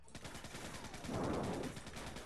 La torre permanece cerrada al público.